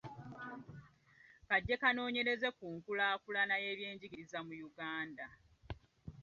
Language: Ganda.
kajje kanoonyereze ku nkulaakulana y’ebyenjigiriza mu Uganda.